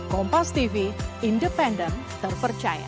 kompas tv independen terpercaya